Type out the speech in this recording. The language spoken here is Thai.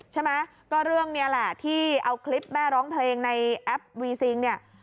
ใช่ไหมก็เรื่องนี้แหละที่เอาคลิปแม่ร้องเพลงในแอปวีซิงเนี่ย